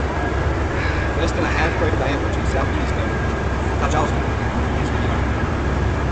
Less than a half-crater diameter to the southeast of Katchalsky is Viviani.